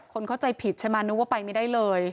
คนเข้าใจผิดใช่ไหมนึกว่าไปไม่ได้เลย